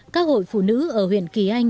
các hội phụ nữ ở huyện kỳ anh đã chỉnh